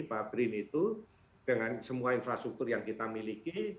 pak brin itu dengan semua infrastruktur yang kita miliki